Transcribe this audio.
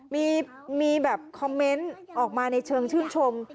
มีแบบคอมเมนต์ออกมาในเชิงชื่นชม